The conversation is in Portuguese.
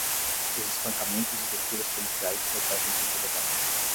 os espancamentos e torturas policiais se repetem por toda parte